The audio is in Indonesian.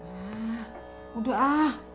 hah udah ah